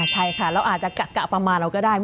ใช่ค่ะเราอาจจะกะประมาณเราก็ได้